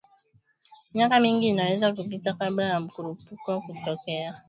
Miaka mingi inaweza kupita kabla ya mkurupuko kutokea